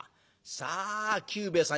さあ久兵衛さん